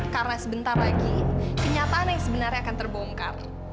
karena sebentar lagi kenyataan yang sebenarnya akan terbongkar